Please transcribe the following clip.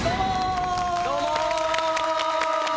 どうも！